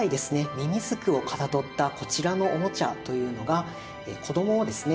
みみずくをかたどったこちらのおもちゃというのが子どもをですね